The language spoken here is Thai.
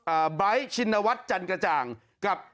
อ่าไบร์ทชินวัตรจันกระจ่างกับ